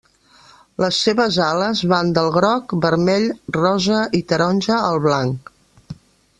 Les seves ales van del groc, vermell, rosa i taronja al blanc.